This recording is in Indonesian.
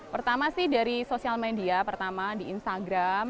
pertama sih dari sosial media pertama di instagram